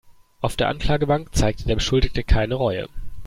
Auf der Anklagebank zeigte der Beschuldigte keine Reue.